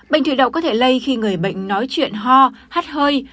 bệnh thủy đậu có thể lây khi người bệnh nói chuyện ho hát hơi